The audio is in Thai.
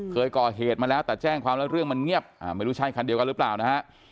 เคยก่อเหตุมาแล้วแต่แจ้งความแล้วเรื่องมันเงียบไม่รู้ใช่คันเดียวกันหรือเปล่านะฮะ